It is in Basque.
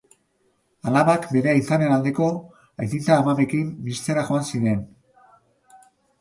Alabak beren aitaren aldeko aitita-amamekin bizitzera joan ziren.